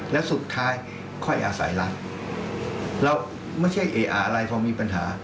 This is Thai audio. แล้วสุดท้ายค่อยอาศัยรักเราไม่ใช่เออะอะไรพอมีปัญหา